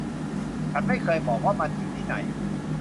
ฉันไม่เคยบอกว่ามันอยู่ที่ไหน